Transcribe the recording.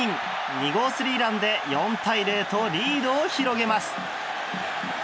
２号スリーランで４対０とリードを広げます。